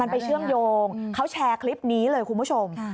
ไปเชื่อมโยงเขาแชร์คลิปนี้เลยคุณผู้ชม